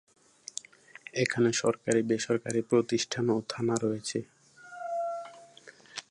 এখানে সরকারী, বেসরকারী প্রতিষ্ঠান ও থানা রয়েছে।